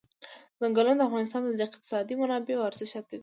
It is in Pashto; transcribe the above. ځنګلونه د افغانستان د اقتصادي منابعو ارزښت زیاتوي.